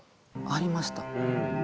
ありました。